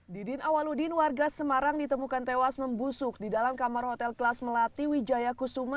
didin awaludin warga semarang ditemukan tewas membusuk di dalam kamar hotel kelas melati wijaya kusuma